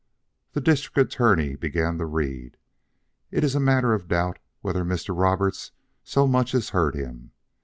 The District Attorney began to read. It is a matter of doubt whether Mr. Roberts so much as heard him.